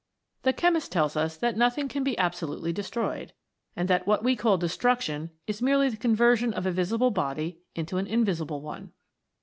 The chemist tells us that nothing can be abso lutely destroyed, and that what we call destruction is merely the conversion of a visible body into an invisible one.